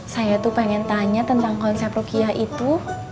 saya tuh pengen tanya tentang konsep rukiah itu